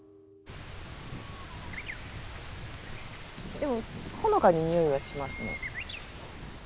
でもほのかににおいはしますね。